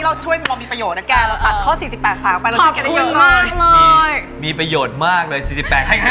เราช่วยข้าวนี้ก็มีประโยชน์เป็นการตัดข้อ๔๘ข้าวไป